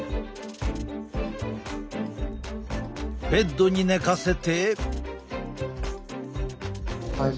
ベッドに寝かせて。